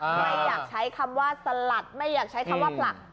ใครอยากใช้คำว่าสลัดไม่อยากใช้คำว่าผลัก